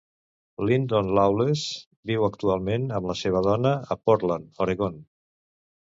Lyndon Lawless viu actualment amb la seva dona a Portland, Oregon.